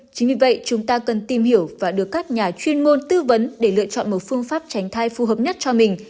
chính vì vậy chúng ta cần tìm hiểu và được các nhà chuyên môn tư vấn để lựa chọn một phương pháp tránh thai phù hợp nhất cho mình